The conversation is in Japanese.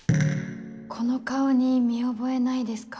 この顔に見覚えないですか？